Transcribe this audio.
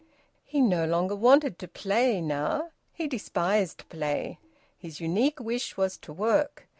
He no longer wanted to `play' now. He despised play. His unique wish was to work.